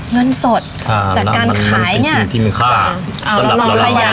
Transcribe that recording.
เงินสดค่ะจากการขายเนี้ยค่ะแล้วมันเป็นสิ่งที่มีค่าสำหรับเรา